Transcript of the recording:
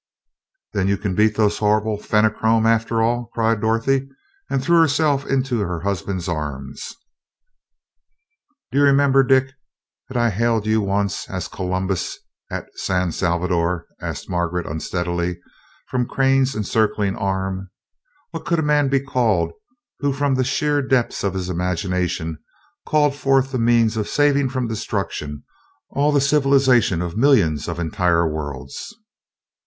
"Then you can beat those horrible Fenachrone, after all!" cried Dorothy, and threw herself into her husband's arms. "Do you remember, Dick, that I hailed you once as Columbus at San Salvador?" asked Margaret unsteadily from Crane's encircling arm. "What could a man be called who from the sheer depths of his imagination called forth the means of saving from destruction all the civilization of millions of entire worlds?"